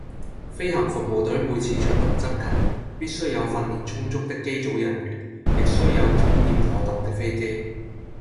飛行服務隊每次出動執勤，必須有訓練充足的機組人員，亦須有檢驗妥當的飛機。